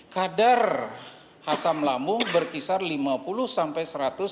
kadar asam lambung berkisar lima puluh sampai seratus